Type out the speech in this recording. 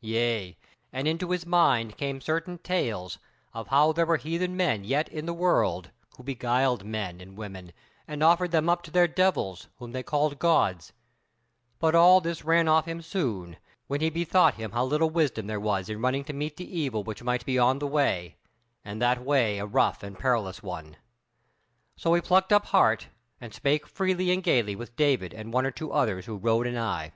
Yea, and into his mind came certain tales of how there were heathen men yet in the world, who beguiled men and women, and offered them up to their devils, whom they called gods: but all this ran off him soon, when he bethought him how little wisdom there was in running to meet the evil, which might be on the way, and that way a rough and perilous one. So he plucked up heart, and spake freely and gaily with David and one or two others who rode anigh.